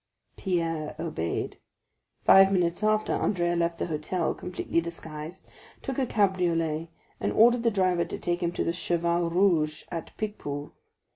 Pierre obeyed. Five minutes after, Andrea left the hotel, completely disguised, took a cabriolet, and ordered the driver to take him to the Cheval Rouge, at Picpus.